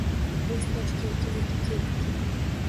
Biz Toshkentga yetib keldik.